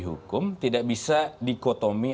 hukum tidak bisa dikotomi